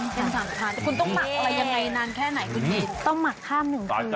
คุณต้องหมักอะไรยังไงนานแค่ไหนคุณเจน